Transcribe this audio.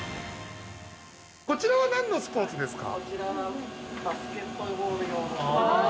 こちらは何のスポーツですか？